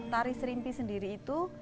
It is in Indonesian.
tari serimpi sendiri itu